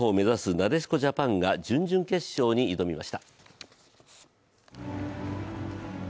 なでしこジャパンが準々決勝に挑みました。